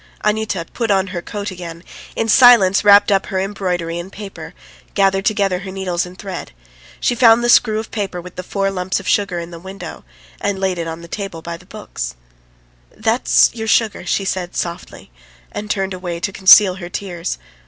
..." Anyuta put on her coat again, in silence wrapped up her embroidery in paper, gathered together her needles and thread: she found the screw of paper with the four lumps of sugar in the window, and laid it on the table by the books. "That's ... your sugar ..." she said softly, and turned away to conceal her tears.